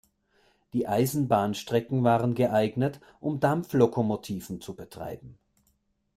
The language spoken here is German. Die Eisenbahnstrecken waren geeignet, um Dampflokomotiven zu betreiben.